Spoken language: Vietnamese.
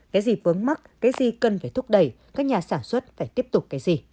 cái gì vướng mắc cái gì cần phải thúc đẩy các nhà sản xuất phải tiếp tục cái gì